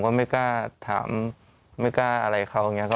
ก็ไม่กล้าถามไม่กล้าอะไรเขาอย่างนี้